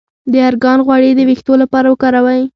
د ارګان غوړي د ویښتو لپاره وکاروئ